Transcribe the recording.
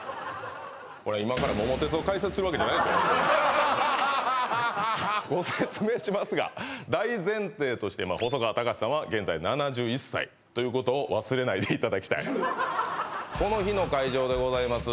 これ今からご説明しますが大前提として細川たかしさんは現在７１歳ということを忘れないでいただきたいこの日の会場でございます